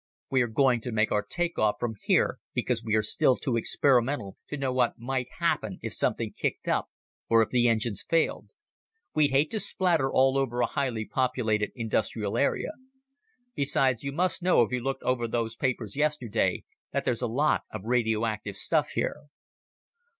We are going to make our take off from here because we are still too experimental to know what might happen if something kicked up or if the engines failed. We'd hate to splatter all over a highly populated industrial area. Besides, you must know, if you looked over those papers yesterday, that there's a lot of radioactive stuff here."